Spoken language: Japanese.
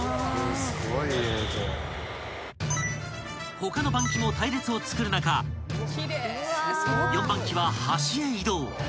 ［他の番機も隊列を作る中４番機は端へ移動］